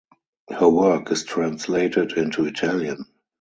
Her work is translated into Italian.